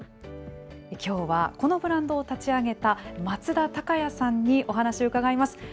きょうは、このブランドを立ち上げた松田崇弥さんにお話伺います。